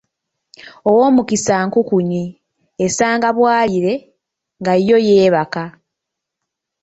Ow'omukisa nkukunyi, esanga bwalire nga yo yeebaka!